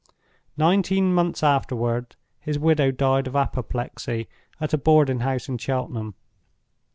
Nineteen months afterward his widow died of apoplexy at a boarding house in Cheltenham.